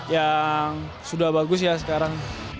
yang sudah bagus ya sekarang